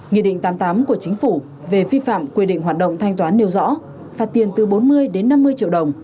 nghị định tám mươi tám của chính phủ về vi phạm quy định hoạt động thanh toán nêu rõ phạt tiền từ bốn mươi đến năm mươi triệu đồng